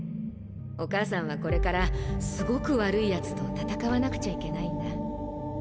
お母さんはこれからすごく悪いやつと戦わなくちゃいけないんだ。